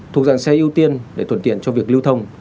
thuộc dạng xe ưu tiên để thuận tiện cho việc lưu thông